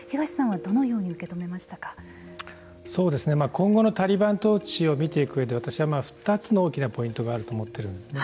今後のタリバン統治を見ていく上で私は２つの大きなポイントがあると思っているんですね。